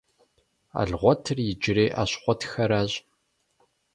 Алгъуэтыр иджырей Ащхъуэтхэращ.